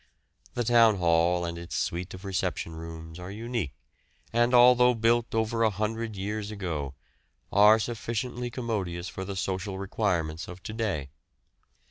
The Town Hall and its suite of reception rooms are unique, and although built over 100 years ago, are sufficiently commodious for the social requirements of to day.